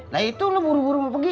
nah itu lo buru buru mau pergi